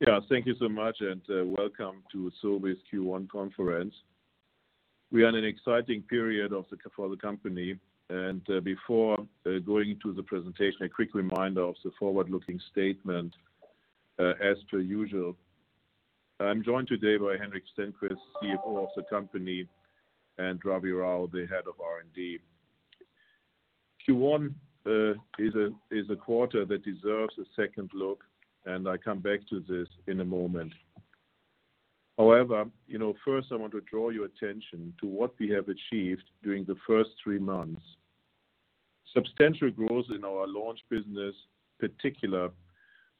Yeah. Thank you so much. Welcome to Sobi's Q1 conference. We are in an exciting period for the company. Before going into the presentation, a quick reminder of the forward-looking statement. As per usual, I'm joined today by Henrik Stenqvist, CFO of the company, and Ravi Rao, the Head of R&D. Q1 is a quarter that deserves a second look, and I come back to this in a moment. However, first I want to draw your attention to what we have achieved during the first three months. Substantial growth in our launch business, particular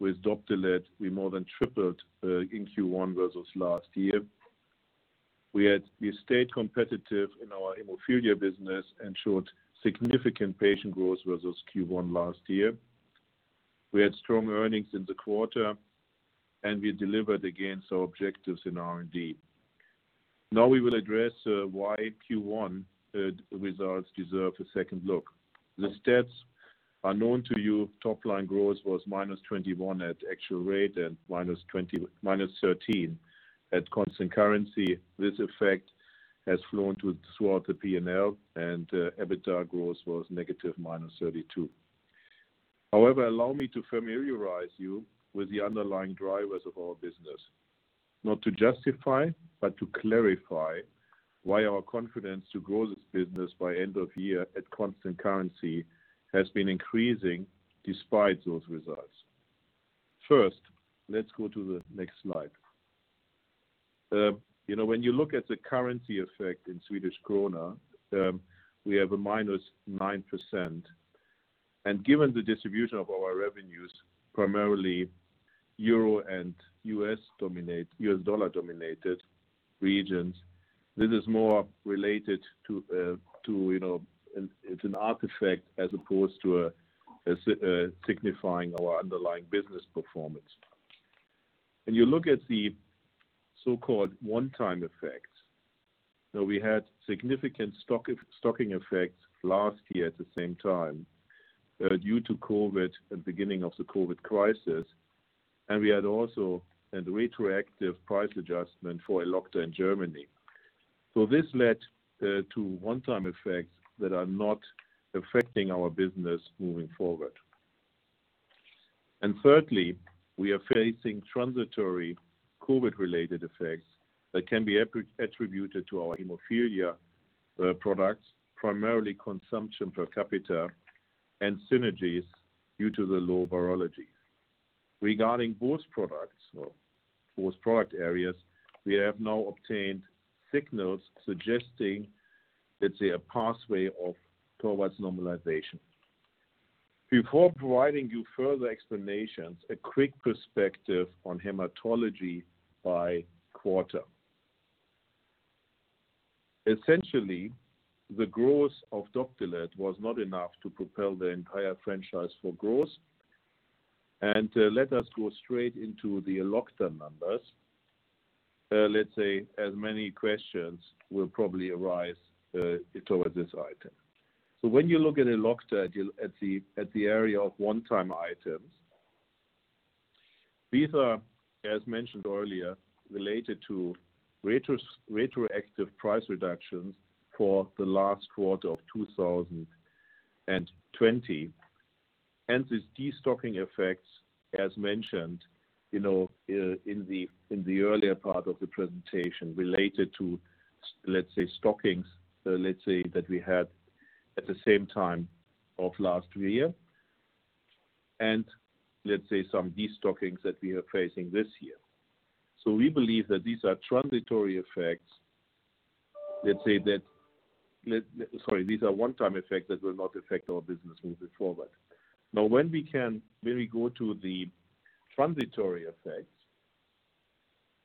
with Doptelet, we more than tripled in Q1 versus last year. We stayed competitive in our hemophilia business and showed significant patient growth versus Q1 last year. We had strong earnings in the quarter, and we delivered against our objectives in R&D. Now we will address why Q1 results deserve a second look. The stats are known to you. Top line growth was -21% at actual rate and -13% at constant currency. This effect has flown throughout the P&L, and EBITDA growth was negative, -32%. However, allow me to familiarize you with the underlying drivers of our business, not to justify, but to clarify why our confidence to grow this business by end of year at constant currency has been increasing despite those results. First, let's go to the next slide. When you look at the currency effect in Swedish krona, we have a -9%. Given the distribution of our revenues, primarily euro and U.S. dollar-dominated regions, this is more related to, it's an [Ark effect] as opposed to signifying our underlying business performance. When you look at the so-called one-time effects, we had significant stocking effects last year at the same time due to COVID and beginning of the COVID crisis. We had also a retroactive price adjustment for Elocta in Germany. This led to one-time effects that are not affecting our business moving forward. Thirdly, we are facing transitory COVID-related effects that can be attributed to our hemophilia products, primarily consumption per capita and synergies due to the low virology. Regarding both product areas, we have now obtained signals suggesting, let's say, a pathway of towards normalization. Before providing you further explanations, a quick perspective on hematology by quarter. Essentially, the growth of Doptelet was not enough to propel the entire franchise for growth. Let us go straight into the Elocta numbers. Let's say, as many questions will probably arise towards this item. When you look at Elocta at the area of one-time items, these are, as mentioned earlier, related to retroactive price reductions for the last quarter of 2020. These de-stocking effects, as mentioned in the earlier part of the presentation related to, let's say, stockings that we had at the same time of last year. Let's say some de-stockings that we are facing this year. We believe that these are transitory effects. Sorry, these are one-time effects that will not affect our business moving forward. When we can maybe go to the transitory effects.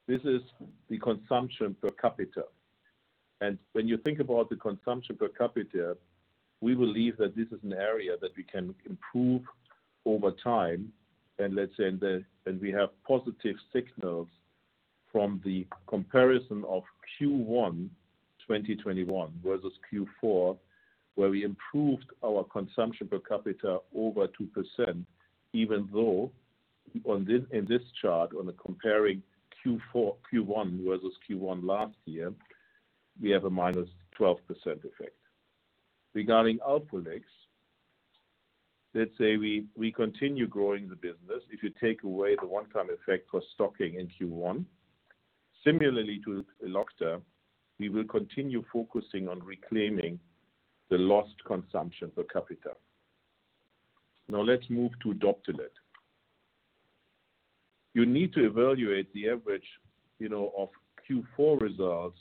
This is the consumption per capita. When you think about the consumption per capita, we believe that this is an area that we can improve over time. We have positive signals from the comparison of Q1 2021 versus Q4 where we improved our consumption per capita over 2%, even though in this chart on comparing Q1 versus Q1 last year, we have a -12% effect. Regarding ALPROLIX, let's say we continue growing the business if you take away the one-time effect for stocking in Q1. Similarly to Elocta, we will continue focusing on reclaiming the lost consumption per capita. Now let's move to Doptelet. You need to evaluate the average of Q4 results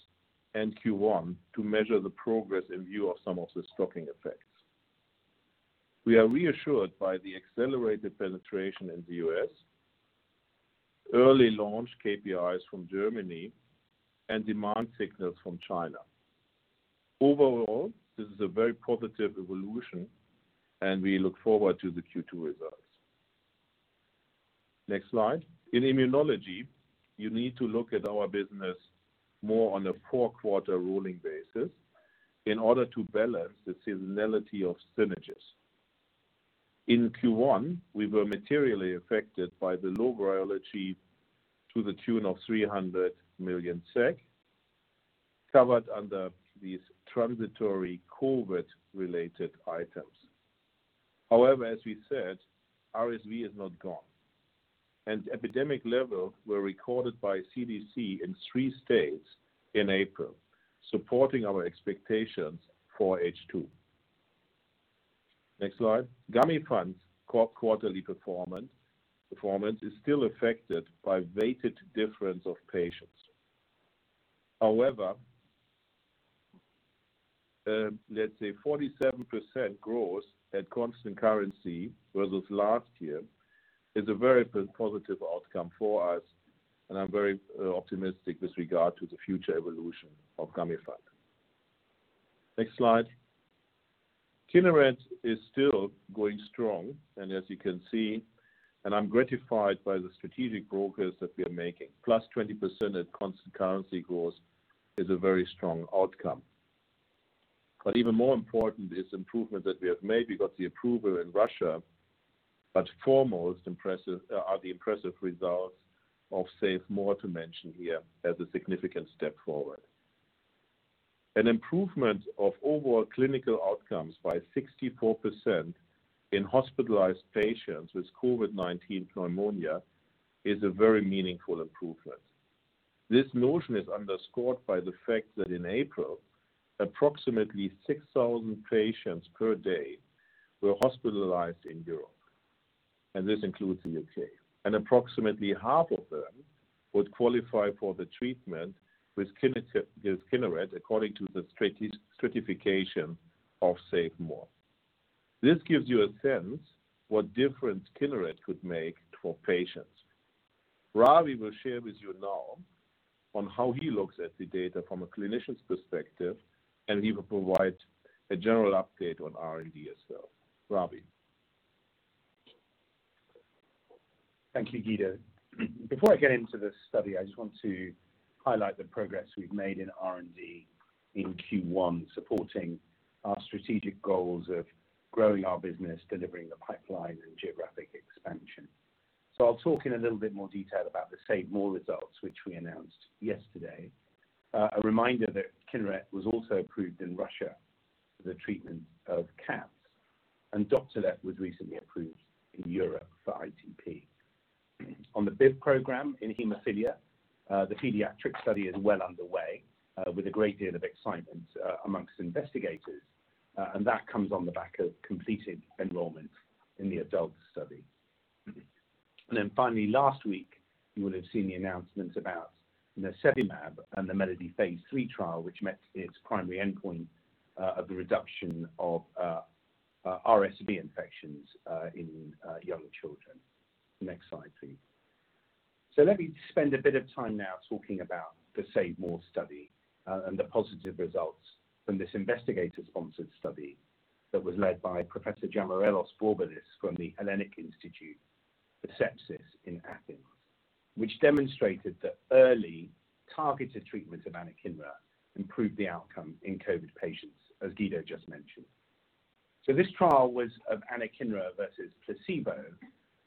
and Q1 to measure the progress in view of some of the stocking effects. We are reassured by the accelerated penetration in the U.S., early launch KPIs from Germany, and demand signals from China. Overall, this is a very positive evolution and we look forward to the Q2 results. Next slide. In immunology, you need to look at our business more on a four-quarter rolling basis. In order to balance the seasonality of synergies. In Q1, we were materially affected by the low virology to the tune of 300 million SEK, covered under these transitory COVID-related items. However, as we said, RSV is not gone, and epidemic levels were recorded by CDC in three states in April, supporting our expectations for H2. Next slide. Gamifant quarterly performance is still affected by weighted difference of patients. Let's say 47% growth at constant currency versus last year is a very positive outcome for us, and I'm very optimistic with regard to the future evolution of Gamifant. Next slide. KINERET is still going strong, as you can see, and I'm gratified by the strategic progress that we are making. +20% at constant currency growth is a very strong outcome. Even more important is the improvement that we have made. We got the approval in Russia, foremost are the impressive results of SAVE-MORE to mention here as a significant step forward. An improvement of overall clinical outcomes by 64% in hospitalized patients with COVID-19 pneumonia is a very meaningful improvement. This notion is underscored by the fact that in April, approximately 6,000 patients per day were hospitalized in Europe, this includes the U.K. Approximately half of them would qualify for the treatment with KINERET, according to the stratification of SAVE-MORE. This gives you a sense what difference KINERET could make for patients. Ravi will share with you now on how he looks at the data from a clinician's perspective, and he will provide a general update on R&D as well. Ravi. Thank you, Guido. Before I get into the study, I just want to highlight the progress we've made in R&D in Q1, supporting our strategic goals of growing our business, delivering the pipeline, and geographic expansion. I'll talk in a little bit more detail about the SAVE-MORE results, which we announced yesterday. A reminder that KINERET was also approved in Russia for the treatment of CAPS, and Doptelet was recently approved in Europe for ITP. On the BIVV program in hemophilia, the pediatric study is well underway, with a great deal of excitement amongst investigators. That comes on the back of completed enrollment in the adult study. Finally last week, you will have seen the announcements about nirsevimab and the MELODY phase III trial, which met its primary endpoint of the reduction of RSV infections in young children. Next slide, please. Let me spend a bit of time now talking about the SAVE-MORE study, and the positive results from this investigator-sponsored study that was led by Professor Giamarellos-Bourboulis from the Hellenic Institute of Sepsis in Athens, which demonstrated that early targeted treatment of anakinra improved the outcome in COVID patients, as Guido just mentioned. This trial was of anakinra versus placebo,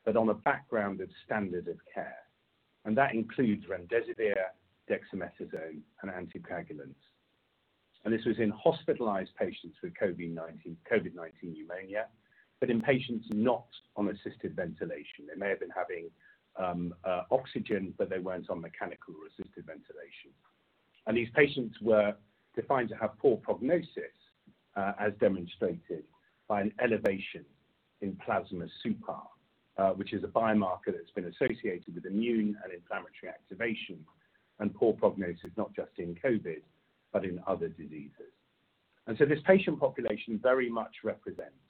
but on a background of standard of care. That includes remdesivir, dexamethasone, and anticoagulants. This was in hospitalized patients with COVID-19 pneumonia, but in patients not on assisted ventilation. They may have been having oxygen, but they weren't on mechanical or assisted ventilation. These patients were defined to have poor prognosis, as demonstrated by an elevation in plasma suPAR, which is a biomarker that's been associated with immune and inflammatory activation and poor prognosis, not just in COVID, but in other diseases. This patient population very much represents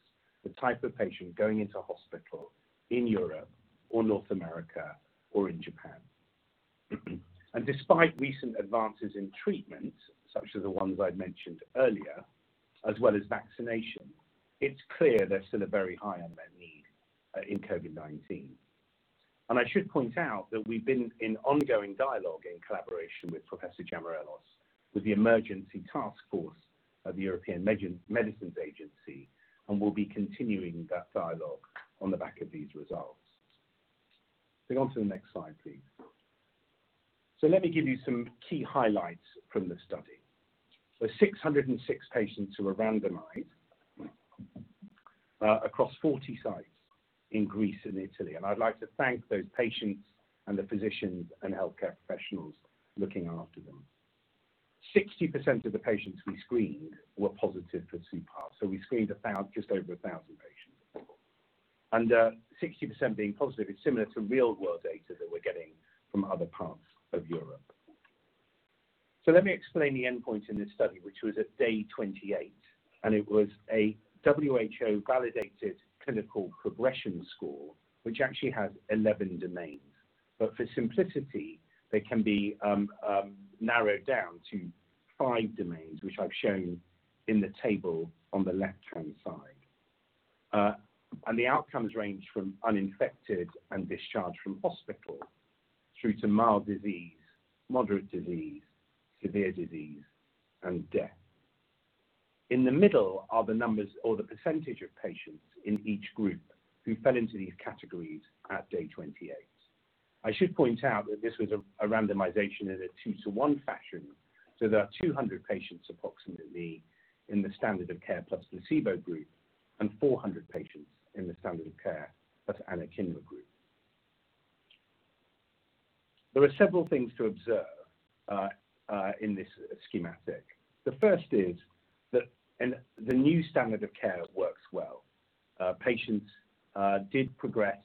the type of patient going into hospital in Europe or North America or in Japan. Despite recent advances in treatment, such as the ones I'd mentioned earlier, as well as vaccination, it's clear there's still a very high unmet need in COVID-19. I should point out that we've been in ongoing dialogue in collaboration with Professor Giamarellos, with the Emergency Task Force of the European Medicines Agency, and we'll be continuing that dialogue on the back of these results. On to the next slide, please. Let me give you some key highlights from the study. 606 patients who were randomized across 40 sites in Greece and Italy, and I'd like to thank those patients and the physicians and healthcare professionals looking after them. 60% of the patients we screened were positive for suPAR. We screened just over 1,000 patients. 60% being positive is similar to real-world data that we're getting from other parts of Europe. Let me explain the endpoint in this study, which was at day 28. It was a WHO-validated clinical progression score, which actually has 11 domains. For simplicity, they can be narrowed down to five domains, which I've shown in the table on the left-hand side. The outcomes range from uninfected and discharged from hospital, through to mild disease, moderate disease, severe disease, and death. In the middle are the numbers or the percentage of patients in each group who fell into these categories at day 28. I should point out that this was a randomization in a 2:1 fashion, so there are 200 patients approximately in the standard of care plus placebo group, and 400 patients in the standard of care plus anakinra group. There are several things to observe in this schematic. The first is that the new standard of care works well. Patients did progress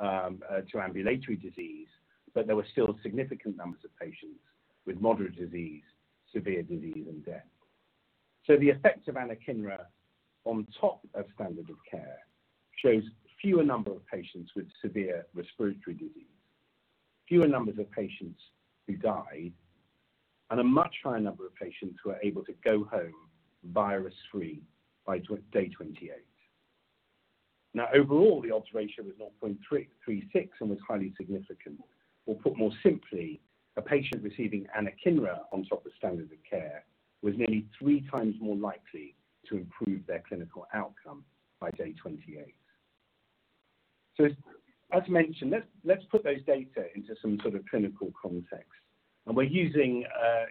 to ambulatory disease, but there were still significant numbers of patients with moderate disease, severe disease, and death. The effect of anakinra on top of standard of care shows fewer number of patients with severe respiratory disease, fewer numbers of patients who die, and a much higher number of patients who are able to go home virus-free by day 28. Now, overall, the odds ratio was 0.36 and was highly significant. Put more simply, a patient receiving anakinra on top of standard of care was nearly 3x more likely to improve their clinical outcome by day 28. As mentioned, let's put those data into some sort of clinical context. We're using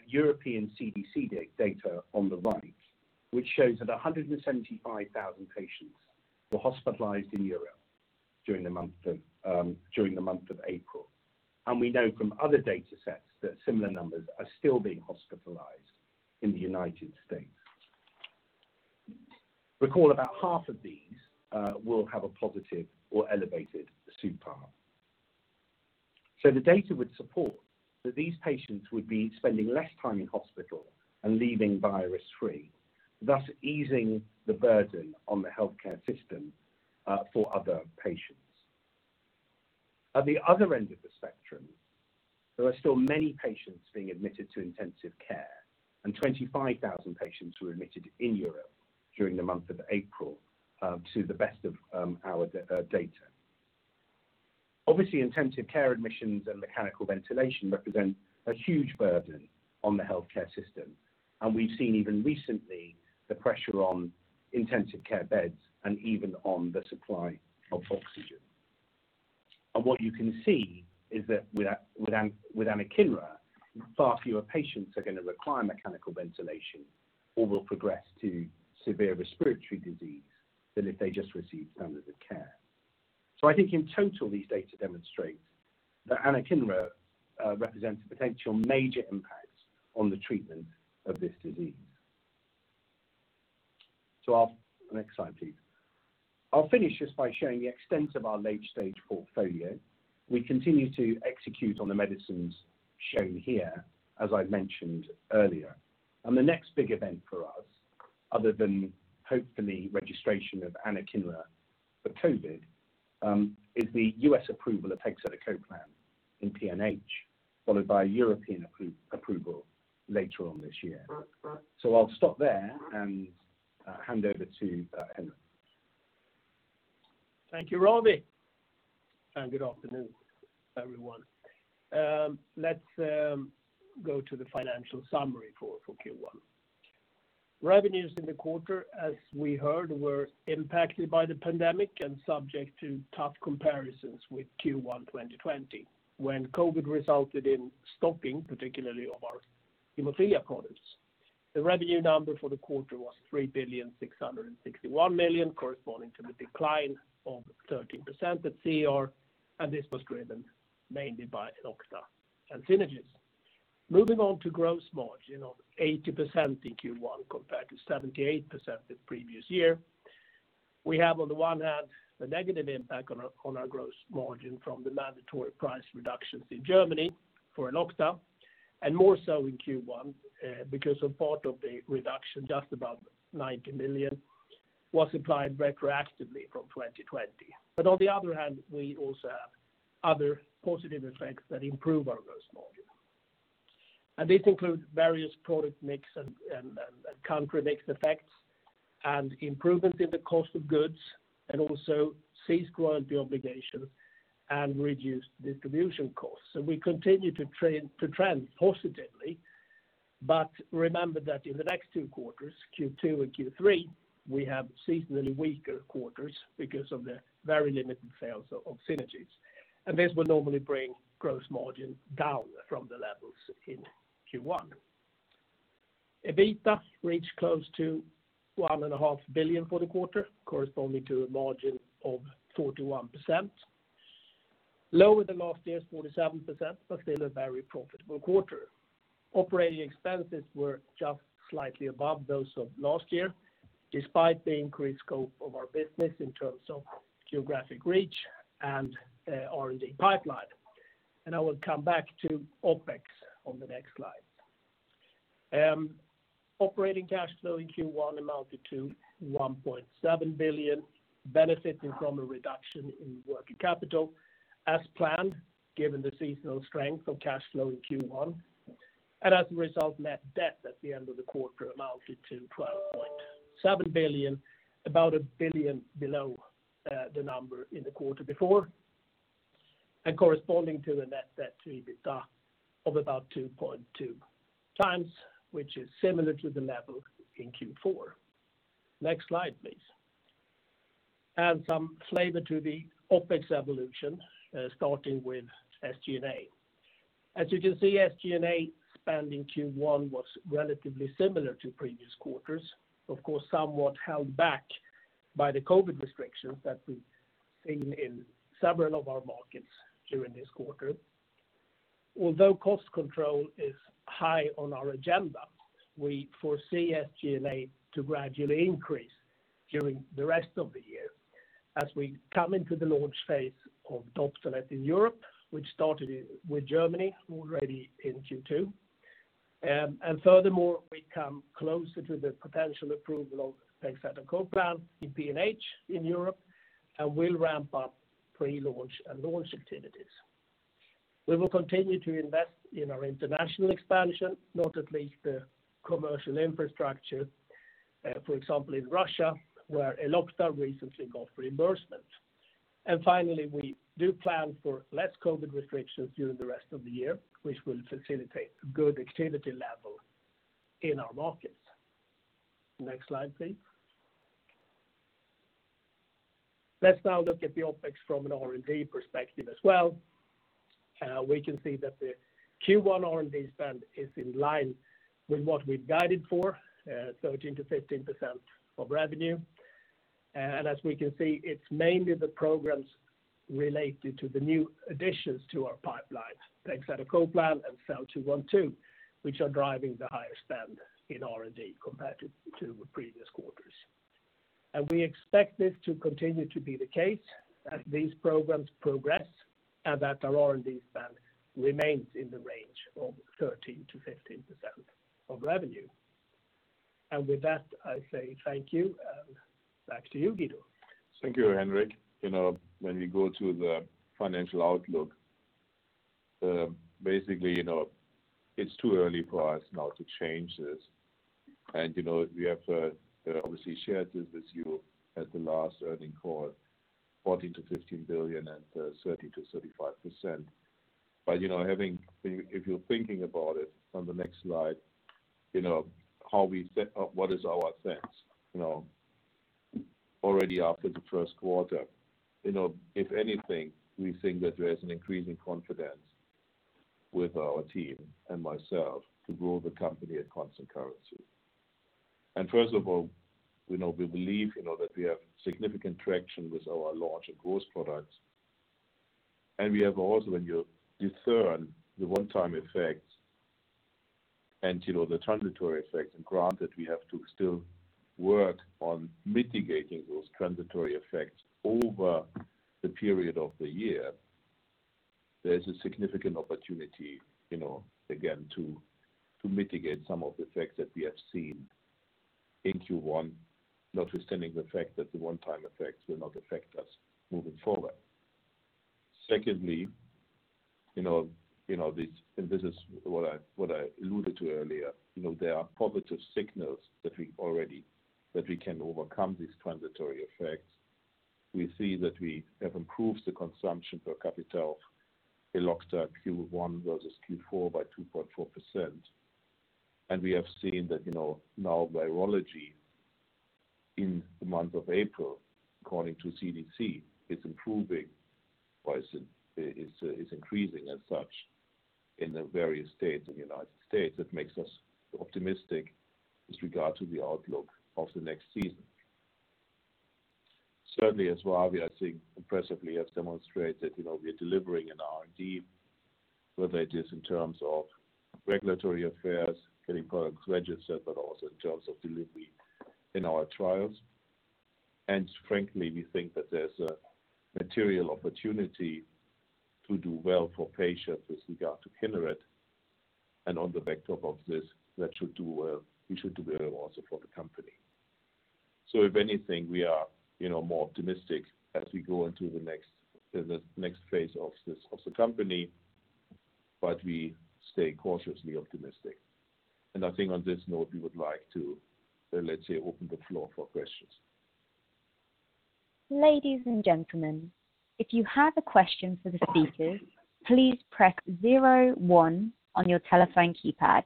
European CDC data on the right, which shows that 175,000 patients were hospitalized in Europe during the month of April. We know from other data sets that similar numbers are still being hospitalized in the United States. Recall about half of these will have a positive or elevated suPAR. The data would support that these patients would be spending less time in hospital and leaving virus-free, thus easing the burden on the healthcare system for other patients. At the other end of the spectrum, there are still many patients being admitted to intensive care, and 25,000 patients were admitted in Europe during the month of April, to the best of our data. Obviously, intensive care admissions and mechanical ventilation represent a huge burden on the healthcare system, and we've seen even recently the pressure on intensive care beds and even on the supply of oxygen. What you can see is that with anakinra, far fewer patients are going to require mechanical ventilation or will progress to severe respiratory disease than if they just received standard of care. I think in total, these data demonstrate that anakinra represents a potential major impact on the treatment of this disease. Next slide, please. I'll finish just by showing the extent of our late-stage portfolio. We continue to execute on the medicines shown here, as I mentioned earlier. The next big event for us, other than hopefully registration of anakinra for COVID, is the U.S. approval of pegcetacoplan in PNH, followed by European approval later on this year. I'll stop there and hand over to Henrik. Thank you, Ravi, and good afternoon, everyone. Let's go to the financial summary for Q1. Revenues in the quarter, as we heard, were impacted by the pandemic and subject to tough comparisons with Q1 2020, when COVID-19 resulted in stopping, particularly of our haemophilia products. The revenue number for the quarter was 3,661 million, corresponding to the decline of 13% at CER, and this was driven mainly by Elocta and Synagis. Moving on to gross margin of 80% in Q1 compared to 78% the previous year. We have, on the one hand, the negative impact on our gross margin from the mandatory price reductions in Germany for Elocta, and more so in Q1 because of part of the reduction, just about 90 million, was applied retroactively from 2020. On the other hand, we also have other positive effects that improve our gross margin. These include various product mix and country mix effects and improvements in the cost of goods and also ceased royalty obligation and reduced distribution costs. We continue to trend positively, but remember that in the next two quarters, Q2 and Q3, we have seasonally weaker quarters because of the very limited sales of Synagis. This will normally bring gross margin down from the levels in Q1. EBITDA reached close to 1.5 billion for the quarter, corresponding to a margin of 41%, lower than last year's 47%, but still a very profitable quarter. Operating expenses were just slightly above those of last year, despite the increased scope of our business in terms of geographic reach and R&D pipeline. I will come back to OpEx on the next slide. Operating cash flow in Q1 amounted to 1.7 billion, benefiting from a reduction in working capital as planned, given the seasonal strength of cash flow in Q1. As a result, net debt at the end of the quarter amounted to 12.7 billion, about 1 billion below the number in the quarter before, and corresponding to the net debt to EBITDA of about 2.2x, which is similar to the level in Q4. Next slide, please. Add some flavor to the OpEx evolution, starting with SG&A. As you can see, SG&A spend in Q1 was relatively similar to previous quarters. Of course, somewhat held back by the COVID restrictions that we've seen in several of our markets during this quarter. Although cost control is high on our agenda, we foresee SG&A to gradually increase during the rest of the year as we come into the launch phase of Doptelet in Europe, which started with Germany already in Q2. Furthermore, we come closer to the potential approval of pegcetacoplan in PNH in Europe and will ramp up pre-launch and launch activities. We will continue to invest in our international expansion, not at least the commercial infrastructure. For example, in Russia, where Elocta recently got reimbursement. Finally, we do plan for less COVID restrictions during the rest of the year, which will facilitate a good activity level in our markets. Next slide, please. Let's now look at the OpEx from an R&D perspective as well. We can see that the Q1 R&D spend is in line with what we've guided for, 13%-15% of revenue. As we can see, it's mainly the programs related to the new additions to our pipeline, pegcetacoplan and SEL-212, which are driving the higher spend in R&D compared to the previous quarters. We expect this to continue to be the case as these programs progress and that our R&D spend remains in the range of 13%-15% of revenue. With that, I say thank you, and back to you, Guido. Thank you, Henrik. When we go to the financial outlook, basically, it's too early for us now to change this. We have obviously shared this with you at the last earning call, 14 billion-15 billion and 30%-35%. If you're thinking about it on the next slide, what is our sense already after the first quarter, if anything, we think that there is an increasing confidence with our team and myself to grow the company at constant currency. First of all, we believe that we have significant traction with our launch of growth products. We have also, when you discern the one-time effects and the transitory effects, and granted, we have to still work on mitigating those transitory effects over the period of the year. There's a significant opportunity, again, to mitigate some of the effects that we have seen in Q1, notwithstanding the fact that the one-time effects will not affect us moving forward. Secondly, and this is what I alluded to earlier, there are positive signals that we can overcome these transitory effects. We see that we have improved the consumption per capita of Elocta Q1 versus Q4 by 2.4%. We have seen that now virology in the month of April, according to CDC, is improving or is increasing as such in the various states in the United States. That makes us optimistic with regard to the outlook of the next season. Certainly as well, we, I think, impressively have demonstrated we're delivering in R&D, whether it is in terms of regulatory affairs, getting products registered, but also in terms of delivery in our trials. Frankly, we think that there's a material opportunity to do well for patients with regard to KINERET. On the back of this, we should do well also for the company. If anything, we are more optimistic as we go into the next phase of the company, but we stay cautiously optimistic. I think on this note, we would like to, let's say, open the floor for questions. Ladies and gentlemen, if you have a question for the speakers, please press zero one on your telephone keypad.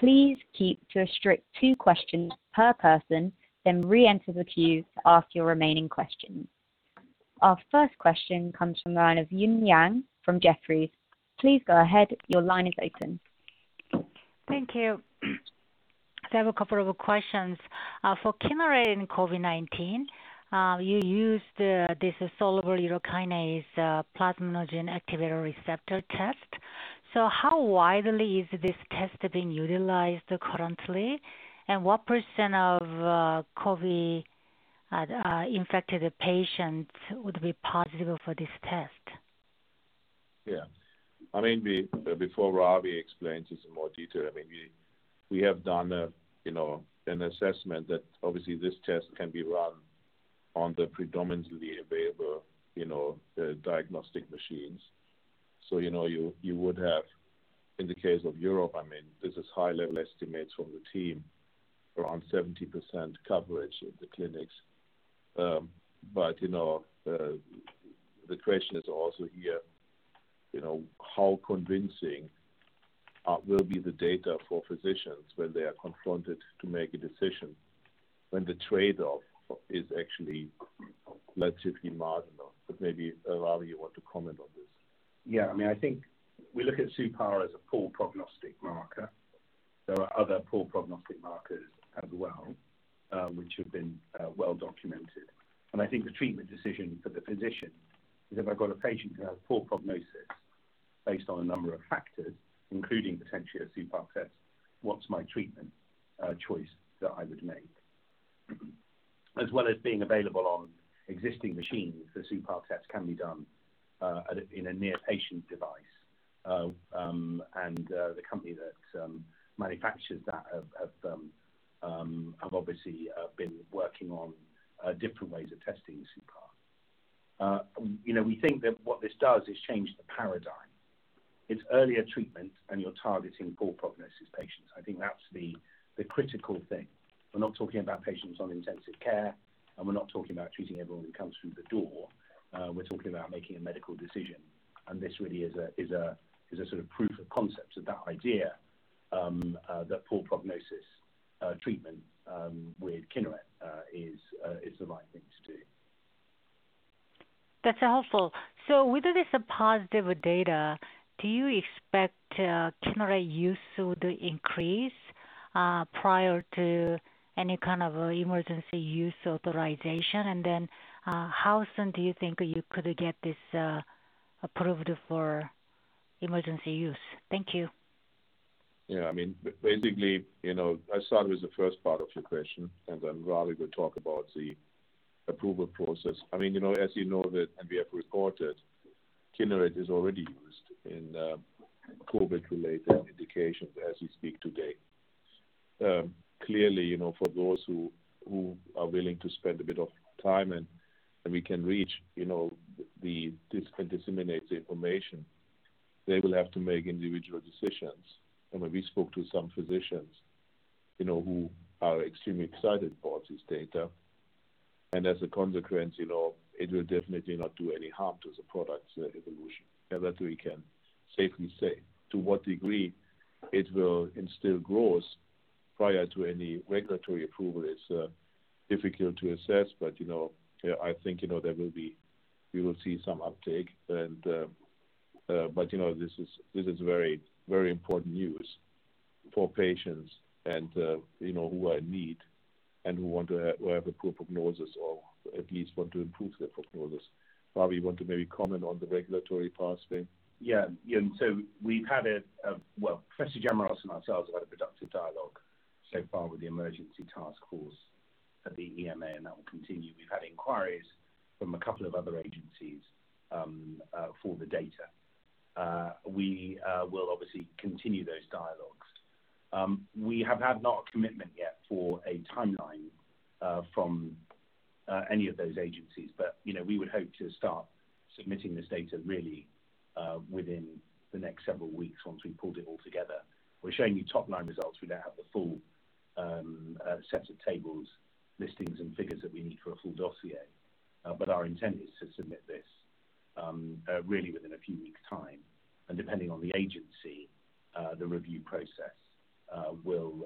Please keep to a strict two questions per person, then re-enter the queue to ask your remaining questions. Our first question comes from the line of Eun Yang from Jefferies. Please go ahead. Your line is open. Thank you. I have a couple of questions. For KINERET and COVID-19, you used this soluble urokinase plasminogen activator receptor test. How widely is this test being utilized currently? What percent of COVID-infected patients would be positive for this test? Yeah. Before Ravi explains this in more detail, we have done an assessment that obviously this test can be run on the predominantly available diagnostic machines. You would have, in the case of Europe, this is high-level estimates from the team, around 70% coverage of the clinics. The question is also here, how convincing will be the data for physicians when they are confronted to make a decision when the trade-off is actually relatively marginal? Maybe, Ravi, you want to comment on this. I think we look at suPAR as a poor prognostic marker. There are other poor prognostic markers as well, which have been well-documented. I think the treatment decision for the physician is if I've got a patient who has poor prognosis based on a number of factors, including potentially a suPAR test, what's my treatment choice that I would make? As well as being available on existing machines, the suPAR test can be done in a near patient device. The company that manufactures that have obviously been working on different ways of testing suPAR. We think that what this does is change the paradigm. It's earlier treatment and you're targeting poor prognosis patients. I think that's the critical thing. We're not talking about patients on intensive care, and we're not talking about treating everyone who comes through the door. We're talking about making a medical decision, and this really is a sort of proof of concept of that idea that poor prognosis treatment with KINERET is the right thing to do. That is helpful. With this positive data, do you expect KINERET use to increase prior to any kind of emergency use authorization? How soon do you think you could get this approved for emergency use? Thank you. Yeah. Basically, I'll start with the first part of your question. Then Ravi will talk about the approval process. As you know, we have reported, KINERET is already used in COVID-related indications as we speak today. Clearly, for those who are willing to spend a bit of time, we can reach this and disseminate the information, they will have to make individual decisions. When we spoke to some physicians who are extremely excited about this data, and as a consequence, it will definitely not do any harm to the product's evolution. That we can safely say. To what degree it will instill growth prior to any regulatory approval is difficult to assess. I think we will see some uptake. This is very important news for patients who are in need and who have a poor prognosis or at least want to improve their prognosis. Ravi, you want to maybe comment on the regulatory pathway? Well, Professor Giamarellos and ourselves have had a productive dialogue so far with the Emergency Task Force at the EMA, and that will continue. We've had inquiries from a couple of other agencies for the data. We will obviously continue those dialogues. We have had not a commitment yet for a timeline from any of those agencies. We would hope to start submitting this data really within the next several weeks once we've pulled it all together. We're showing you top-line results. We now have the full set of tables, listings, and figures that we need for a full dossier. Our intent is to submit this really within a few weeks' time, and depending on the agency, the review process will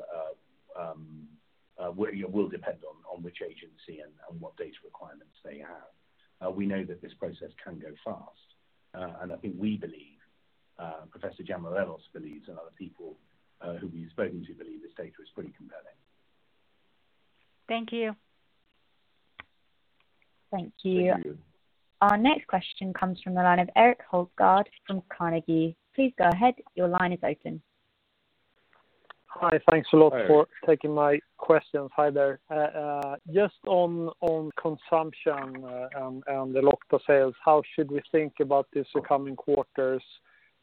depend on which agency and what data requirements they have. We know that this process can go fast. I think we believe, Professor Giamarellos believes, and other people who we've spoken to believe this data is pretty compelling. Thank you. Thank you. Thank you. Our next question comes from the line of Erik Hultgård from Carnegie. Please go ahead. Your line is open. Hi. Thanks a lot- Hi. for taking my questions. Hi there. Just on consumption and the Elocta sales, how should we think about this for coming quarters?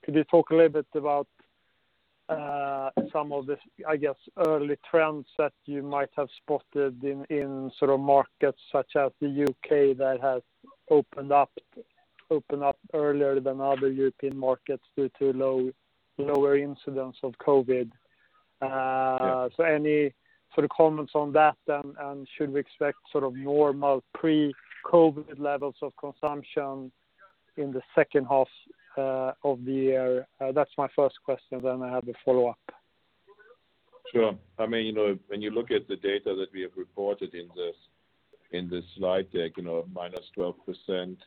Could you talk a little bit about some of the, I guess, early trends that you might have spotted in sort of markets such as the U.K. that have opened up earlier than other European markets due to lower incidents of COVID? Any sort of comments on that then, and should we expect sort of normal pre-COVID levels of consumption in the second half of the year? That's my first question, then I have a follow-up. Sure. When you look at the data that we have reported in the slide deck, -12%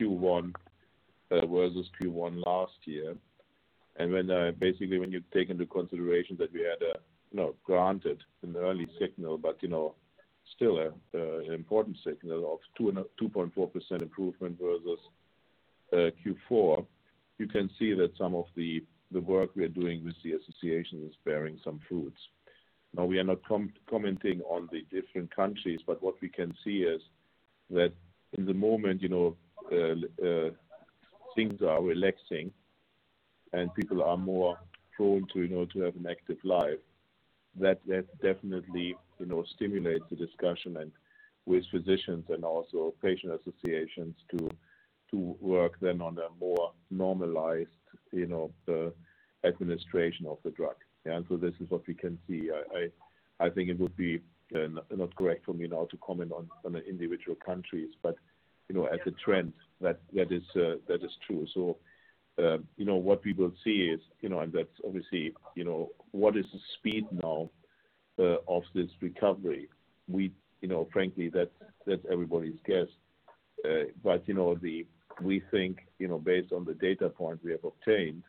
Q1 versus Q1 last year, basically when you take into consideration that we had a, granted, an early signal, but still an important signal of 2.4% improvement versus Q4, you can see that some of the work we are doing with the association is bearing some fruits. Now we are not commenting on the different countries, but what we can see is that in the moment, things are relaxing. And people are more prone to have an active life. That definitely stimulates the discussion and with physicians and also patient associations to work then on a more normalized administration of the drug. This is what we can see. I think it would be not correct for me now to comment on the individual countries, but as a trend that is true. What we will see is, and that's obviously, what is the speed now of this recovery? Frankly, that's everybody's guess. We think based on the data point we have obtained,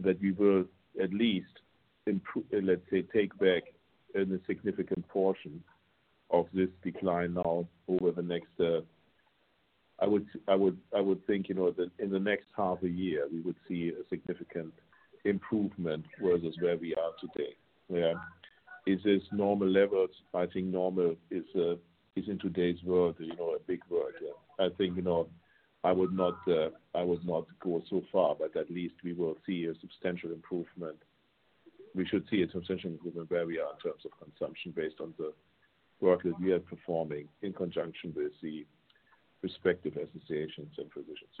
that we will at least improve, let's say, take back a significant portion of this decline now over the next, I would think, that in the next half a year, we would see a significant improvement versus where we are today. Yeah. Is this normal levels? I think normal is in today's world, a big word. Yeah. I think I would not go so far, but at least we will see a substantial improvement. We should see a substantial improvement where we are in terms of consumption based on the work that we are performing in conjunction with the respective associations and physicians.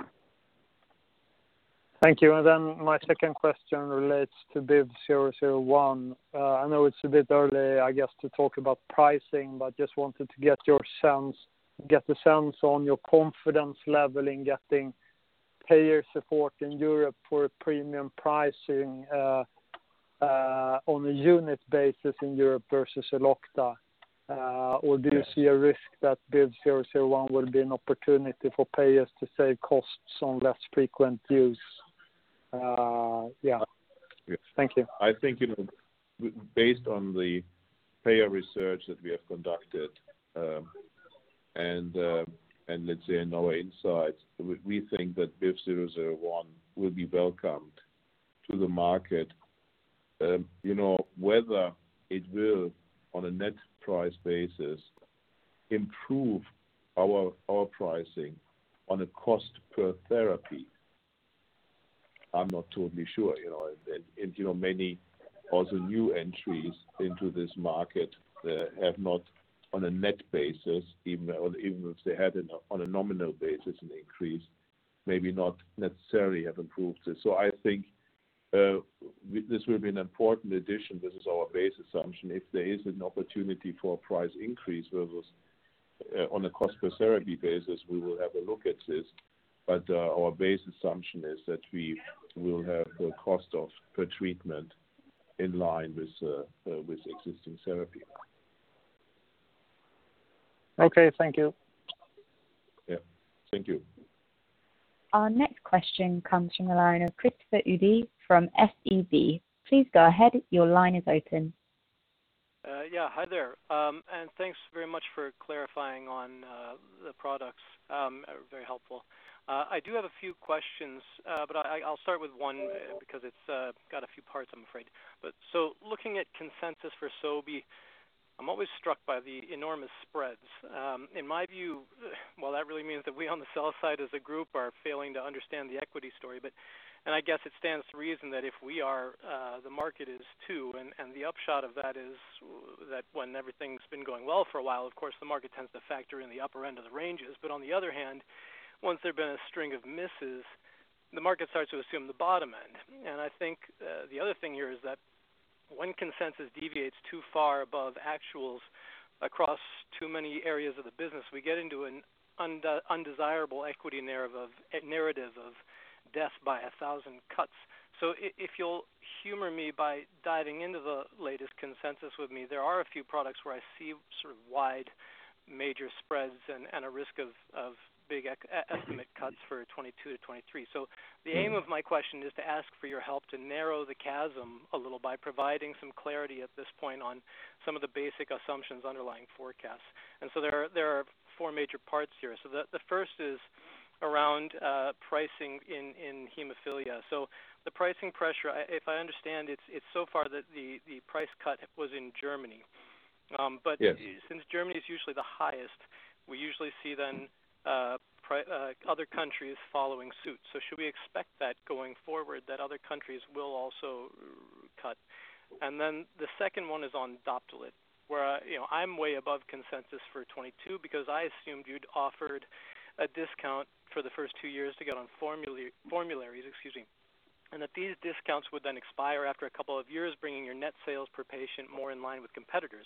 Thank you. My second question relates to BIVV001. I know it's a bit early, I guess, to talk about pricing, but just wanted to get the sense on your confidence level in getting payer support in Europe for premium pricing on a unit basis in Europe versus Elocta. Do you see a risk that BIVV001 will be an opportunity for payers to save costs on less frequent use? Yeah. Thank you. I think based on the payer research that we have conducted and let's say in our insights, we think that BIVV001 will be welcomed to the market. Whether it will, on a net price basis, improve our pricing on a cost per therapy, I am not totally sure. Many also new entries into this market that have not on a net basis, even if they had on a nominal basis an increase, maybe not necessarily have improved it. I think this will be an important addition. This is our base assumption. If there is an opportunity for a price increase versus on a cost per therapy basis, we will have a look at this. Our base assumption is that we will have the cost of per treatment in line with existing therapy. Okay. Thank you. Yeah. Thank you. Our next question comes from the line of Christopher Uhde from SEB. Please go ahead. Your line is open. Yeah. Hi there. Thanks very much for clarifying on the products. Very helpful. I do have a few questions, but I'll start with one because it's got a few parts, I'm afraid. Looking at consensus for Sobi, I'm always struck by the enormous spreads. In my view, while that really means that we on the sell side as a group are failing to understand the equity story, and I guess it stands to reason that if we are, the market is too, and the upshot of that is that when everything's been going well for a while, of course, the market tends to factor in the upper end of the ranges. On the other hand, once there've been a string of misses, the market starts to assume the bottom end. I think the other thing here is that when consensus deviates too far above actuals across too many areas of the business, we get into an undesirable equity narrative of death by 1,000 cuts. If you'll humor me by diving into the latest consensus with me, there are a few products where I see sort of wide major spreads and a risk of big estimate cuts for 2022-2023. The aim of my question is to ask for your help to narrow the chasm a little by providing some clarity at this point on some of the basic assumptions underlying forecasts. There are four major parts here. The first is around pricing in hemophilia. The pricing pressure, if I understand, it's so far that the price cut was in Germany. Since Germany is usually the highest, we usually see then other countries following suit. Should we expect that going forward that other countries will also cut? The second one is on Doptelet, where I'm way above consensus for 2022 because I assumed you'd offered a discount for the first two years to get on formularies. That these discounts would then expire after a couple of years, bringing your net sales per patient more in line with competitors.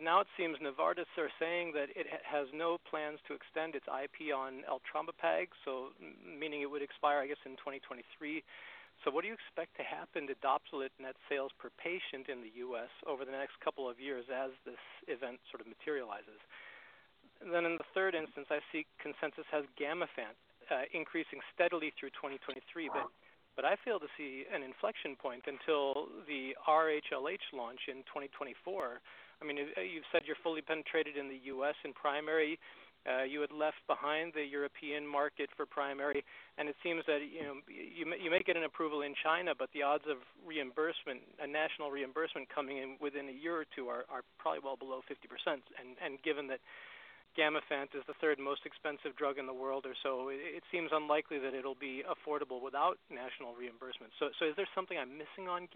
Now it seems Novartis are saying that it has no plans to extend its IP on eltrombopag, so meaning it would expire, I guess, in 2023. What do you expect to happen to Doptelet net sales per patient in the U.S. over the next couple of years as this event sort of materializes? In the third instance, I see consensus has Gamifant increasing steadily through 2023. I fail to see an inflection point until the RH/LH launch in 2024. You've said you're fully penetrated in the U.S. in primary. You had left behind the European market for primary, and it seems that you may get an approval in China, but the odds of a national reimbursement coming in within a year or two are probably well below 50%. Given that Gamifant is the third most expensive drug in the world or so. It seems unlikely that it'll be affordable without national reimbursement. Is there something I'm missing on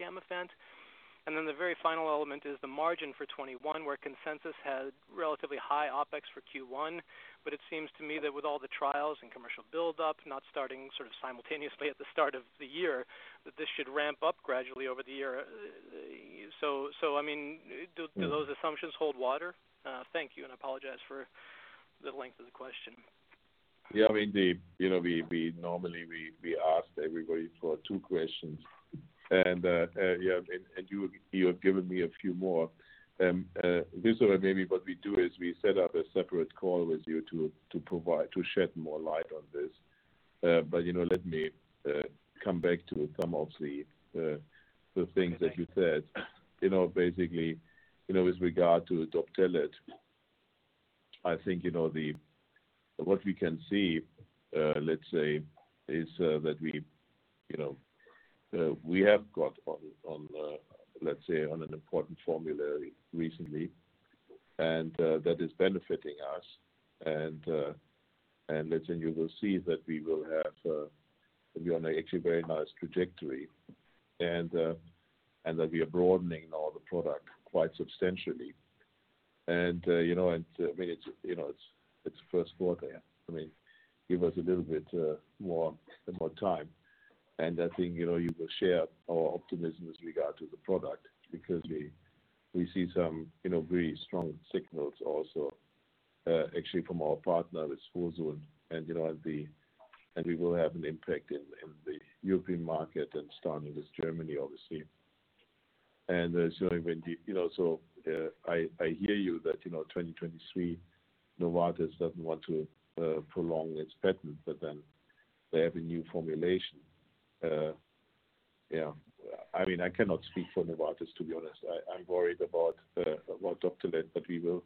Gamifant? The very final element is the margin for 2021, where consensus had relatively high OpEx for Q1. It seems to me that with all the trials and commercial buildup not starting simultaneously at the start of the year, that this should ramp up gradually over the year. Do those assumptions hold water? Thank you, and I apologize for the length of the question. Yeah. Indeed. Normally, we ask everybody for two questions and you have given me a few more. This is where maybe what we do is we set up a separate call with you to shed more light on this. Let me come back to some of the things that you said. Basically, with regard to Doptelet, I think what we can see, let's say, is that we have got on an important formulary recently, and that is benefiting us. You will see that we are on a actually very nice trajectory and that we are broadening all the product quite substantially. It's first quarter. Give us a little bit more time and I think you will share our optimism with regard to the product because we see some very strong signals also actually from our partner with Fosun. We will have an impact in the European market and starting with Germany, obviously. I hear you that 2023, Novartis doesn't want to prolong its patent, but then they have a new formulation. I cannot speak for Novartis, to be honest. I'm worried about Doptelet, but we will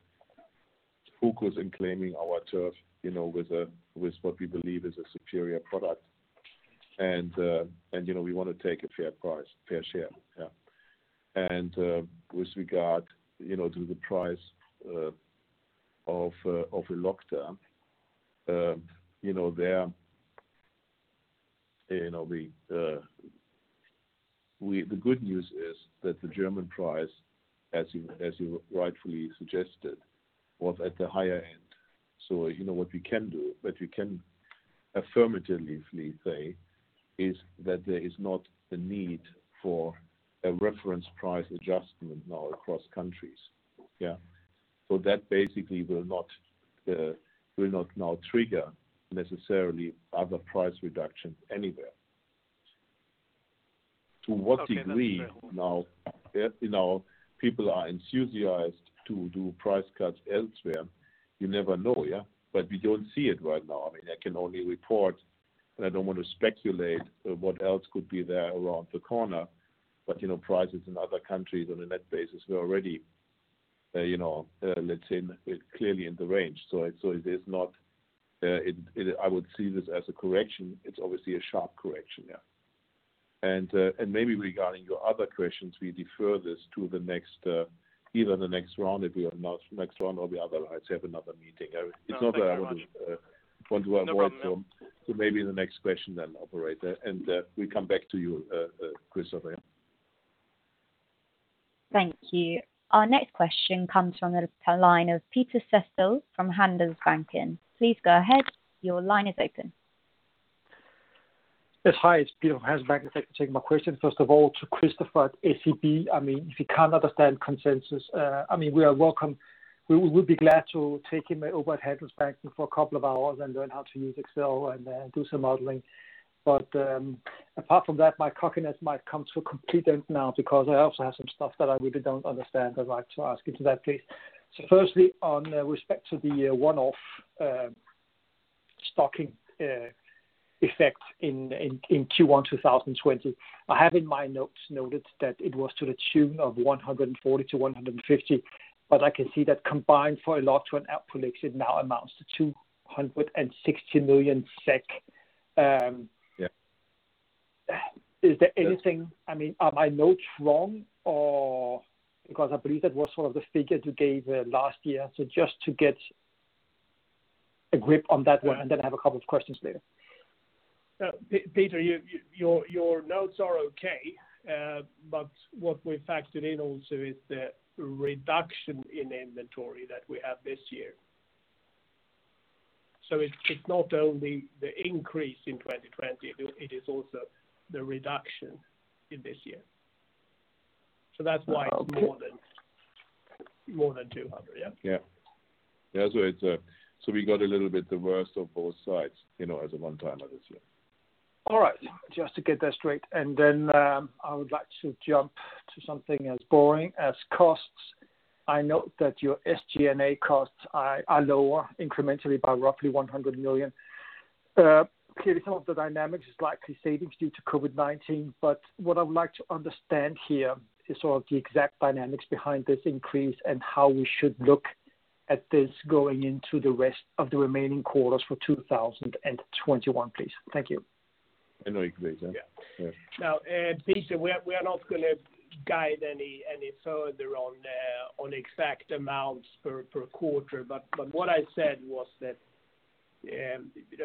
focus in claiming our turf with what we believe is a superior product. We want to take a fair share. Yeah. With regard to the price of Elocta, the good news is that the German price, as you rightfully suggested, was at the higher end. What we can do, what we can affirmatively say is that there is not the need for a reference price adjustment now across countries. Yeah. That basically will not now trigger necessarily other price reductions anywhere. To what degree now people are enthusiastic to do price cuts elsewhere, you never know. We don't see it right now. I can only report and I don't want to speculate what else could be there around the corner. Prices in other countries on a net basis were already, let's say, clearly in the range. I would see this as a correction. It's obviously a sharp correction. Yeah. Maybe regarding your other questions, we defer this to either the next round, if we have not next round or the other, I'd have another meeting. No. Thank you very much. It's not that I want to avoid them. No problem. Maybe the next question, operator, and we come back to you, Christopher. Thank you. Our next question comes from the line of Peter Sehested from Handelsbanken. Please go ahead. Your line is open. Hi, it's Peter from Handelsbanken. Thank you for taking my question. First of all, to Christopher at SEB, if you can't understand consensus we are welcome. We'll be glad to take him over at Handelsbanken for a couple of hours and learn how to use Excel and then do some modeling. Apart from that, my cockiness might come to a complete end now because I also have some stuff that I really don't understand. I'd like to ask you to that, please. Firstly, on respect to the one-off stocking effect in Q1 2020, I have in my notes noted that it was to the tune of 140 million-150 million. I can see that combined for Elocta and ALPROLIX, it now amounts to 260 million SEK. Are my notes wrong? I believe that was sort of the figure you gave last year. Just to get a grip on that one, and then I have a couple of questions later. Peter, your notes are okay, but what we factored in also is the reduction in inventory that we have this year. It's not only the increase in 2020, it is also the reduction in this year. That's why it's more than 200. Yeah. Yeah. We got a little bit the worst of both sides as a one-timer this year. All right. Just to get that straight. Then I would like to jump to something as boring as costs. I note that your SG&A costs are lower incrementally by roughly 100 million. Clearly some of the dynamics is likely savings due to COVID-19. What I would like to understand here is sort of the exact dynamics behind this increase and how we should look at this going into the rest of the remaining quarters for 2021, please. Thank you. Henrik, do you want to take that? Now, Peter, we are not going to guide any further on exact amounts per quarter. What I said was that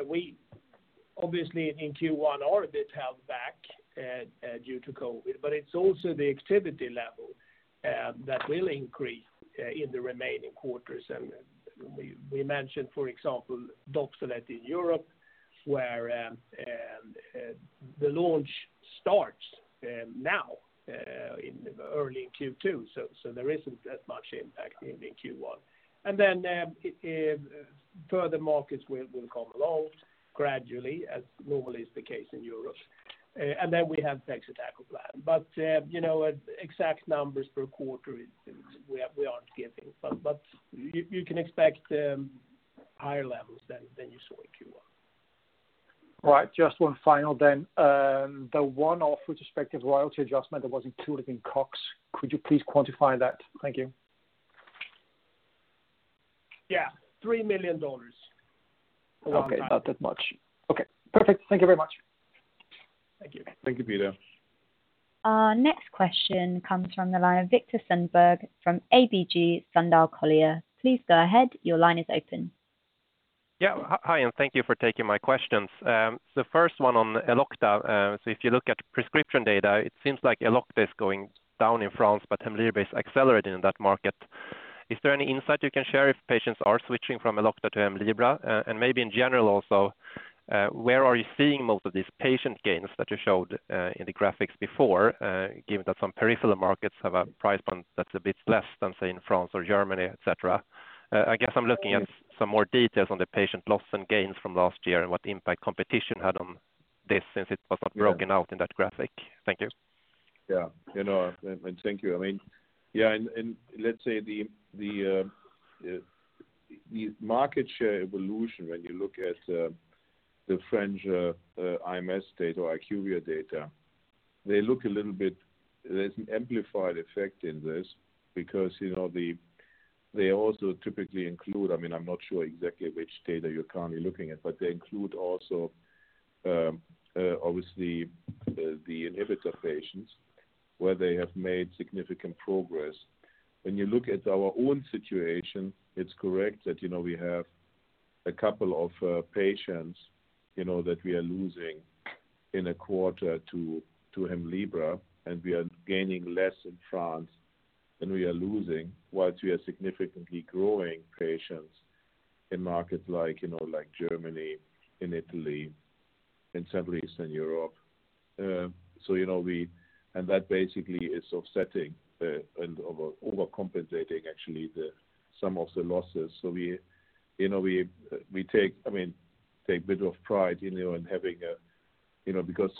we obviously in Q1 are a bit held back due to COVID, but it's also the activity level that will increase in the remaining quarters. We mentioned, for example, Doptelet in Europe, where the launch starts now in early Q2. There isn't that much impact in Q1. Further markets will come along gradually as normally is the case in Europe. We have pegcetacoplan. Exact numbers per quarter, we aren't giving. You can expect higher levels than you saw in Q1. All right. Just one final then. The one-off retrospective royalty adjustment that was included in COGS, could you please quantify that? Thank you. Yeah. $3 million. Okay. Not that much. Okay, perfect. Thank you very much. Thank you. Thank you, Peter. Our next question comes from the line of Viktor Sundberg from ABG Sundal Collier. Please go ahead. Your line is open. Yeah. Hi, and thank you for taking my questions. The first one on Elocta. If you look at prescription data, it seems like Elocta is going down in France, but HEMLIBRA is accelerating in that market. Is there any insight you can share if patients are switching from Elocta to HEMLIBRA? Maybe in general also, where are you seeing most of these patient gains that you showed in the graphics before, given that some peripheral markets have a price point that's a bit less than, say, in France or Germany, et cetera? I guess I'm looking at some more details on the patient loss and gains from last year and what impact competition had on this since it was not broken out in that graphic. Thank you. Thank you. Let's say the market share evolution, when you look at the French IMS data or IQVIA data, there's an amplified effect in this because they also typically include, I'm not sure exactly which data you're currently looking at, but they include also, obviously, the inhibitor patients where they have made significant progress. When you look at our own situation, it's correct that we have a couple of patients that we are losing in a quarter to HEMLIBRA, and we are gaining less in France than we are losing, whilst we are significantly growing patients in markets like Germany, in Italy, in Central Eastern Europe. That basically is offsetting and overcompensating actually some of the losses. We take a bit of pride in having a. Because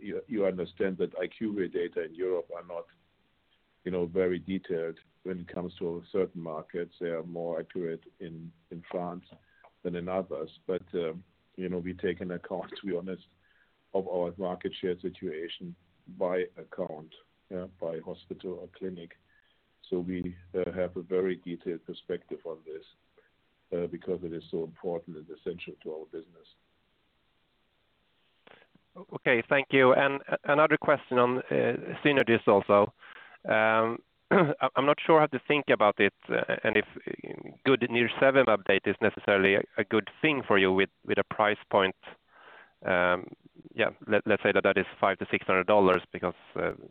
you understand that IQVIA data in Europe are not very detailed when it comes to certain markets. They are more accurate in France than in others. We take into account, to be honest, of our market share situation by account. By hospital or clinic. We have a very detailed perspective on this because it is so important and essential to our business. Okay. Thank you. Another question on Synagis also. I'm not sure how to think about it and if good nirsevimab update is necessarily a good thing for you with a price point. Let's say that is $500-$600 because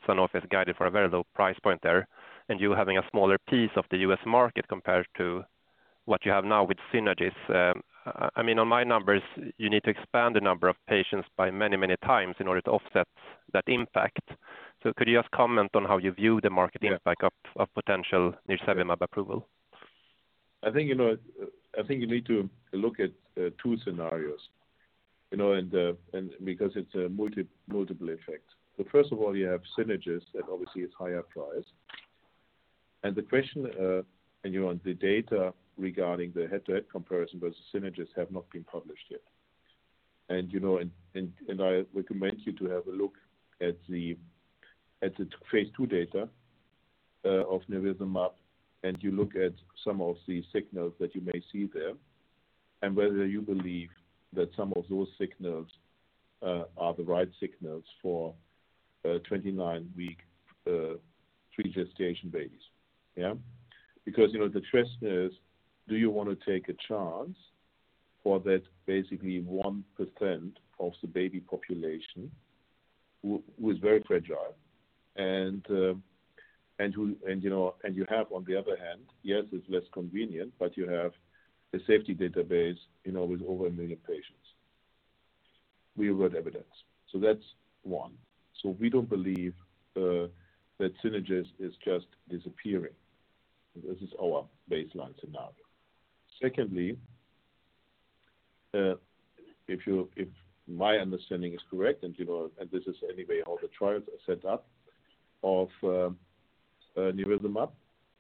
Sanofi has guided for a very low price point there, and you having a smaller piece of the U.S. market compared to what you have now with Synagis. On my numbers, you need to expand the number of patients by many, many times in order to offset that impact. Could you just comment on how you view the market impact of potential nirsevimab approval? I think you need to look at two scenarios because it's a multiple effect. First of all, you have Synagis that obviously is higher priced. The question on the data regarding the head-to-head comparison, Synagis have not been published yet. I recommend you to have a look at the phase II data of nirsevimab, and you look at some of the signals that you may see there, and whether you believe that some of those signals are the right signals for 29-week pre-gestation babies. The trust is, do you want to take a chance for that basically 1% of the baby population who is very fragile and you have on the other hand, yes, it's less convenient, but you have a safety database with over 1 million patients. Real-world evidence. That's one. We don't believe that Synagis is just disappearing. This is our baseline scenario. Secondly, if my understanding is correct, and this is anyway how the trials are set up of nirsevimab,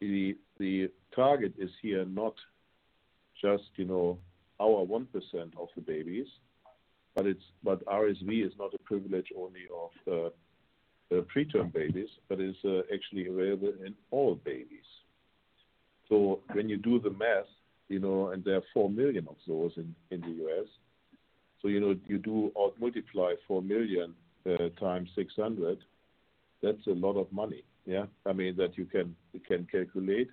the target is here not just our 1% of the babies, but RSV is not a privilege only of the preterm babies, but is actually available in all babies. When you do the math, and there are 4 million of those in the U.S. You do multiply 4 million times 600, that's a lot of money, yeah? That you can calculate.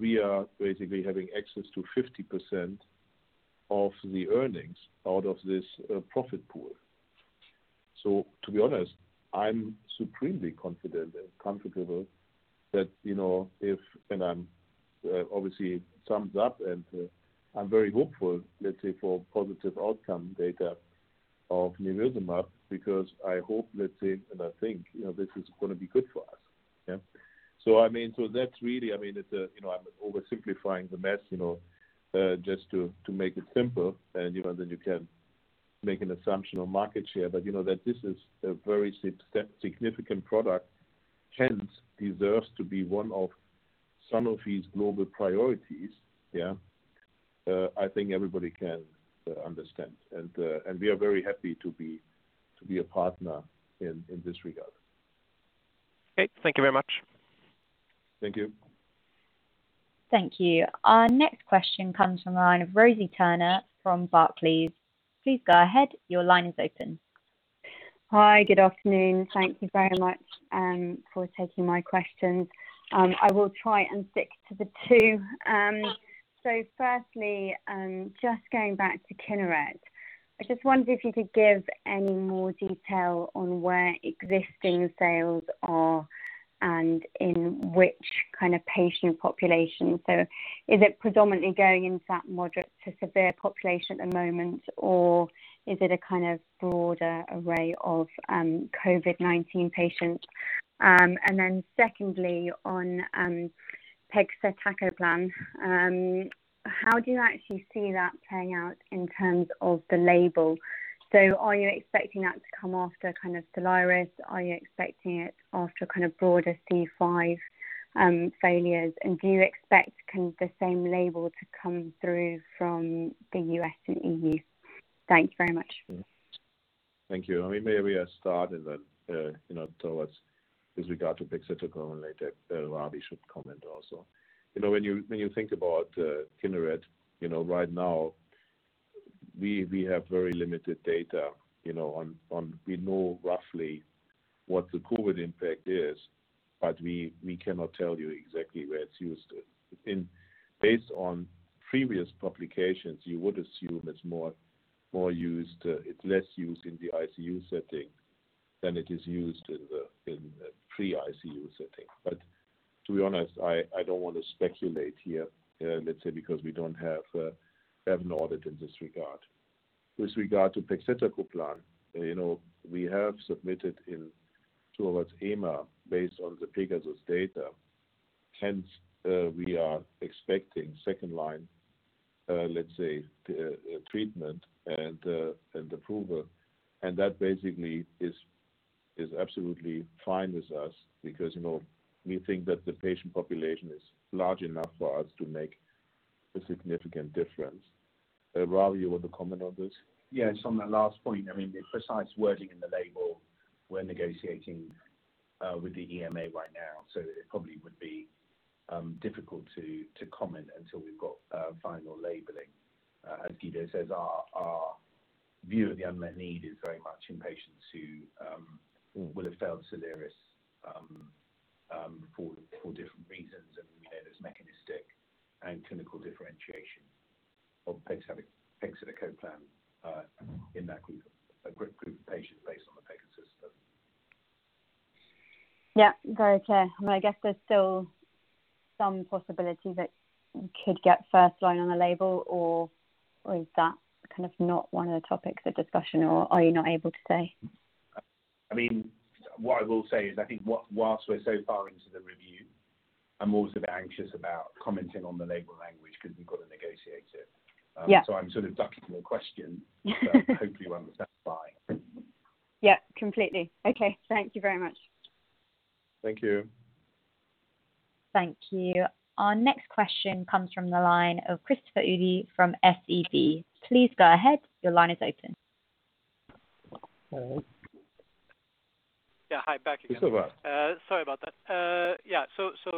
We are basically having access to 50% of the earnings out of this profit pool. To be honest, I'm supremely confident and comfortable that if, and I'm obviously thumbs up, and I'm very hopeful, let's say, for positive outcome data of nirsevimab because I hope, let's say, and I think this is going to be good for us. Yeah. That's really, I'm over simplifying the math just to make it simple. Then you can make an assumption of market share. This is a very significant product, hence deserves to be one of Sanofi's global priorities. Yeah. I think everybody can understand. We are very happy to be a partner in this regard. Okay. Thank you very much. Thank you. Thank you. Our next question comes from the line of Rosie Turner from Barclays. Please go ahead. Your line is open. Hi. Good afternoon. Thank you very much for taking my questions. I will try and stick to the two. Firstly, just going back to KINERET. I just wondered if you could give any more detail on where existing sales are and in which kind of patient population. Is it predominantly going in that moderate to severe population at the moment, or is it a kind of broader array of COVID-19 patients? Secondly, on pegcetacoplan, how do you actually see that playing out in terms of the label? Are you expecting that to come after kind of Soliris? Are you expecting it after kind of broader C5 failures? Do you expect the same label to come through from the U.S. and EU? Thank you very much. Thank you. Maybe I start and then towards, with regard to pegcetacoplan, later Ravi should comment also. When you think about KINERET, right now we have very limited data on, we know roughly what the COVID impact is, but we cannot tell you exactly where it's used. Based on previous publications, you would assume it's less used in the ICU setting than it is used in the pre-ICU setting. To be honest, I don't want to speculate here, let's say, because we have an audit in this regard. With regard to pegcetacoplan, we have submitted towards EMA based on the PEGASUS data. Hence, we are expecting second line, let's say, treatment and approval. That basically is absolutely fine with us because we think that the patient population is large enough for us to make a significant difference. Ravi, you want to comment on this? Yeah. Just on that last point, the precise wording in the label we're negotiating with the EMA right now. It probably would be difficult to comment until we've got final labeling. As Guido says, our view of the unmet need is very much in patients who will have failed Soliris, for different reasons. We know there's mechanistic and clinical differentiation of pegcetacoplan in that group of patients based on the PEGASUS study. Yeah, very clear. I guess there's still some possibility that it could get first line on the label, or is that kind of not one of the topics of discussion, or are you not able to say? What I will say is, I think whilst we're so far into the review, I'm always a bit anxious about commenting on the label language because we've got to negotiate it. I'm sort of ducking your question. Hopefully you understand why. Yeah, completely. Okay. Thank you very much. Thank you. Thank you. Our next question comes from the line of Christopher Uhde from SEB. Please go ahead. Your line is open. Hi. Yeah. Hi. Back again. Christopher. Sorry about that. Yeah.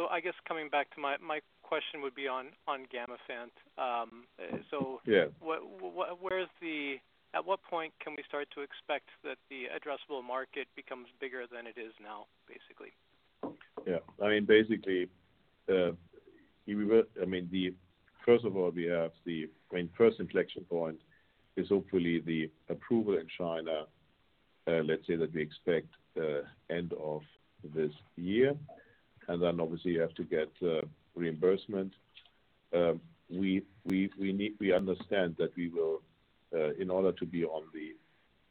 I guess coming back to my question would be on Gamifant. At what point can we start to expect that the addressable market becomes bigger than it is now, basically? Yeah. First of all, the first inflection point is hopefully the approval in China, let's say that we expect end of this year. Then obviously you have to get reimbursement. We understand that in order to be on the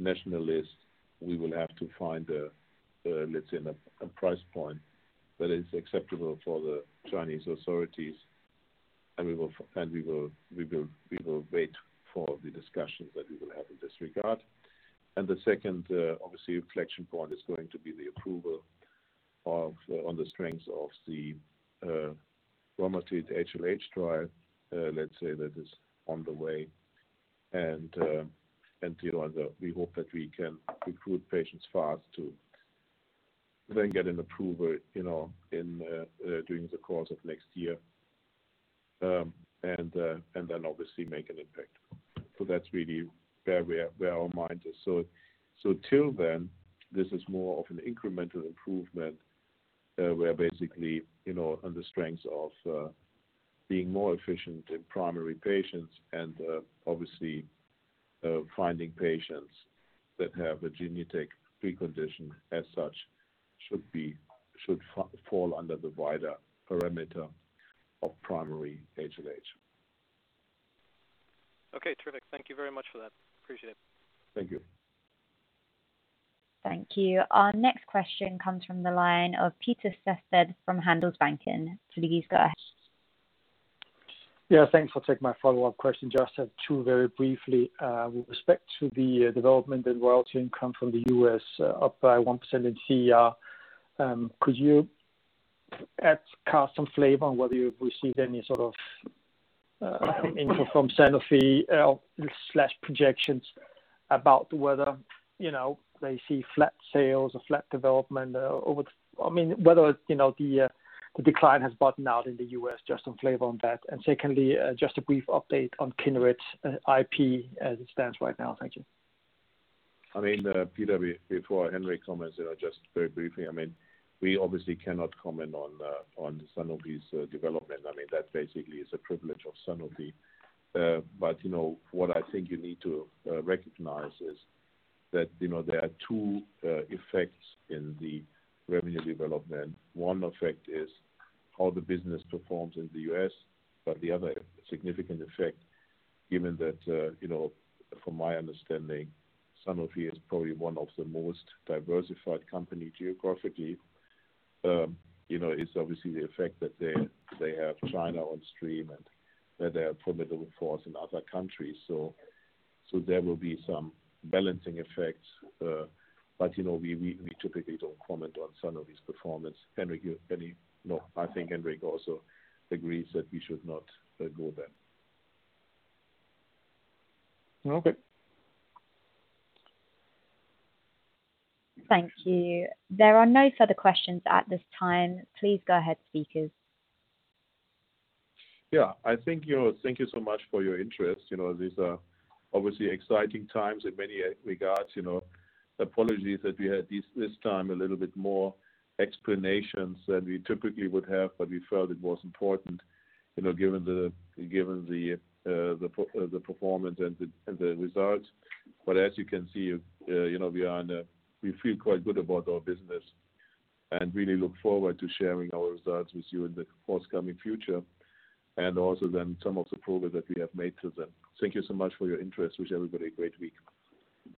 national list, we will have to find, let's say, a price point that is acceptable for the Chinese authorities. We will wait for the discussions that we will have in this regard. The second, obviously, inflection point is going to be the approval on the strengths of the rheumatoid HLH trial, let's say, that is on the way. We hope that we can recruit patients fast to then get an approval during the course of next year, and then obviously make an impact. That's really where our mind is. Till then, this is more of an incremental improvement where basically on the strengths of being more efficient in primary patients and obviously finding patients that have a genetic precondition as such should fall under the wider parameter of primary HLH. Okay, terrific. Thank you very much for that. Appreciate it. Thank you. Thank you. Our next question comes from the line of Peter Sehested from Handelsbanken. Please go ahead. Yeah, thanks for taking my follow-up question. Just have two very briefly. With respect to the development and royalty income from the U.S. up by 1% in CER, could you cast some flavor on whether you’ve received any sort of income from Sanofi/projections about whether they see flat sales or flat development or whether the decline has bottomed out in the U.S., just some flavor on that. Secondly, just a brief update on KINERET IP as it stands right now. Thank you. Peter, before Henrik comments, just very briefly, we obviously cannot comment on Sanofi's development. That basically is a privilege of Sanofi. What I think you need to recognize is that there are two effects in the revenue development. One effect is how the business performs in the U.S., but the other significant effect, given that from my understanding, Sanofi is probably one of the most diversified company geographically. It's obviously the effect that they have China on stream and that they are a formidable force in other countries. There will be some balancing effects. We typically don't comment on Sanofi's performance. Henrik, you have any? No, I think Henrik also agrees that we should not go there. Okay. Thank you. There are no further questions at this time. Please go ahead, speakers. Yeah. Thank you so much for your interest. These are obviously exciting times in many regards. Apologies that we had this time a little bit more explanations than we typically would have, but we felt it was important given the performance and the results. As you can see, we feel quite good about our business and really look forward to sharing our results with you in the forthcoming future, and also then some of the progress that we have made to them. Thank you so much for your interest. Wish everybody a great week.